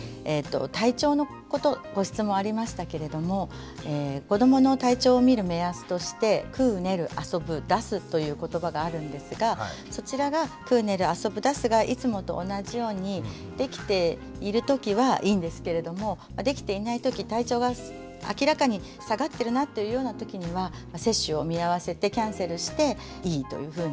体調のことご質問ありましたけれども子どもの体調を見る目安として「くう・ねる・あそぶ・だす」という言葉があるんですがそちらが「くう・ねる・あそぶ・だす」がいつもと同じようにできている時はいいんですけれどもできていない時体調が明らかに下がってるなというような時には接種を見合わせてキャンセルしていいというふうに。